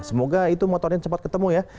semoga itu motornya cepat ketemu ya